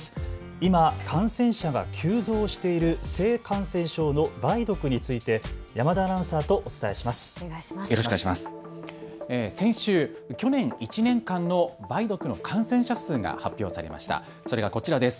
今、感染者が急増している性感染症の梅毒について山田アナウンサーとお伝えします。